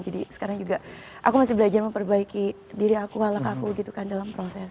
jadi sekarang juga aku masih belajar memperbaiki diri aku alat aku gitu kan dalam proses